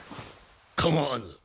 構わぬ。